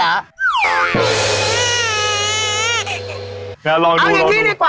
เอาอย่างนี้ดีกว่า